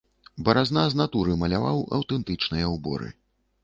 Баразна з натуры маляваў аўтэнтычныя ўборы.